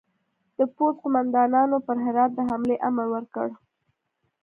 د پوځ قوماندانانو پر هرات د حملې امر ورکړ.